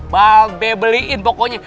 babe beliin pokoknya